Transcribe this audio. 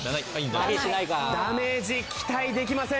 ダメージ期待できません。